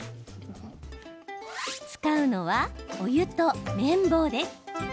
使うのは、お湯と綿棒です。